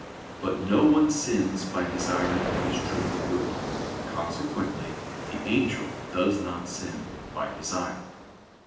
But no one sins by desiring what is truly good. Consequently the angel does not sin by desire.